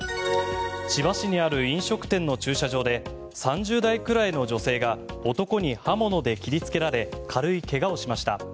千葉市にある飲食店の駐車場で３０代くらいの女性が男に刃物で切りつけられ軽い怪我をしました。